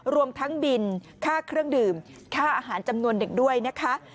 รวมทั้งบินค่าเครื่องดื่มค่าอาหารจำนวนดึกด้วยนะคะ